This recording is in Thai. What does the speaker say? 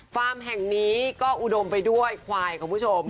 ฟาร์มแห่งนี้ก็อุดมไปด้วยควายของผู้ชม